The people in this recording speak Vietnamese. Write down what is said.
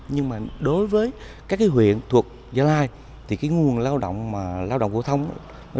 nhưng mà đối với các cái huyện thuộc gia lai thì cái nguồn lao động mà lao động phổ thông nó dôi dư rất là nhiều